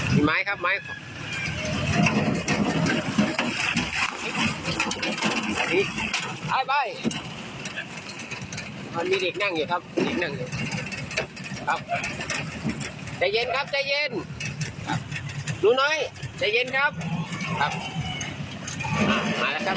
ใจเย็นครับใจเย็นครับรูน้อยใจเย็นครับครับมาแล้วครับ